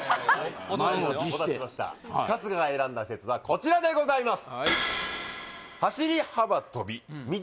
満を持してお待たせしました春日が選んだ説はこちらでございます